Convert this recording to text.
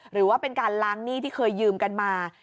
หรือว่าเป็นการล้างหนี้ที่เคยยืมกันมา